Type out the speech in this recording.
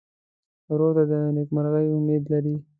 ورور ته د نېکمرغۍ امید لرې.